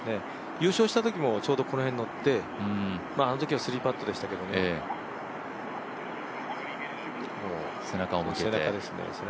優勝したときもちょうどこの辺のって、あのときは３パットでしたけどね、もう背中を向けて。